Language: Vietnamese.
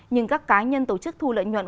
nhưng các cá nhân tổ chức thu lợi nhuận